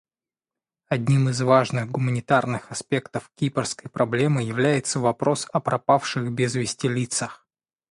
Одним из важных гуманитарных аспектов кипрской проблемы является вопрос о пропавших без вести лицах.